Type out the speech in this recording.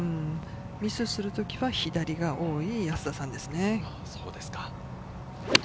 ミスする時は左が多い安田さんです。